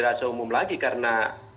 rasa umum lagi karena